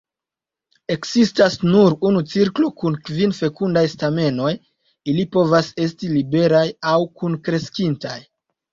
Ekzistas nur unu cirklo kun kvin fekundaj stamenoj; ili povas esti liberaj aŭ kunkreskintaj.